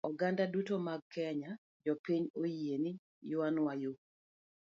Oganda duto mag kenya, jopiny oyie ni yawnwa yoo!